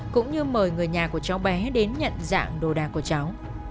cũng như mời người nhà của cháu bé đến nhận dạng đồ đạc của cháu